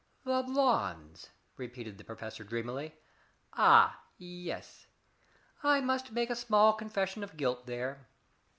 "The blondes," repeated the professor dreamily. "Ah, yes, I must make a small confession of guilt there.